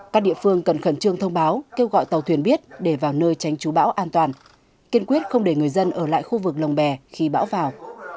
các địa phương cần khẩn trương thông báo kêu gọi tàu thuyền biết để vào nơi tránh trú bão an toàn kiên quyết không để người dân ở lại khu vực lồng bè khi bão vào